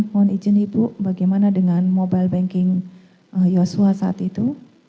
mohon izin ibu bagaimana dengan mobile banking joshua saat itu